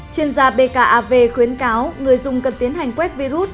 chuyên gia bkav khuyến cáo người dùng cần tiến hành quét virus